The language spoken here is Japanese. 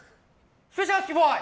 スペシャルボーイ！